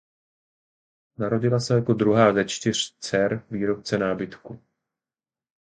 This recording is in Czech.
Narodila se jako druhá ze čtyř dcer výrobce nábytku.